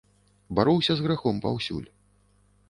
Бароўся з грахом паўсюль.